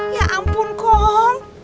ya ampun kom